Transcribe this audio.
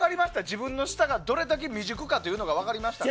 自分の舌がどれだけ未熟かというのが分かりました。